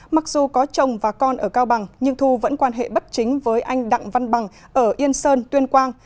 mặc dù có chồng và con ở cao bằng nhưng thu vẫn quan hệ bất chính với anh đặng văn bằng ở yên sơn tuyên quang